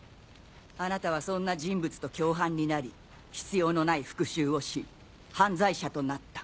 あなたはそんな人物と共犯になり必要のない復讐をし犯罪者となった。